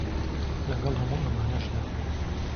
لەگەڵ هەموو ئەمانەشدا